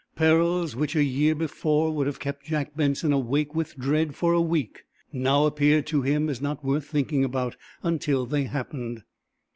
Perils which, a year before, would have kept Jack Benson awake with dread for a week now appeared to him as not worth thinking about until they happened.